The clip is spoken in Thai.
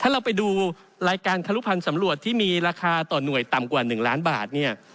ถ้าเราไปดูรายการครุพันธ์สำรวจที่มีราคาต่อหน่วยต่ำกว่า๑ล้านบาทเนี่ย